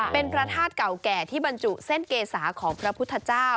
เป็นพระธาตุเก่าแก่ที่บรรจุเส้นเกษาของพระพุทธเจ้า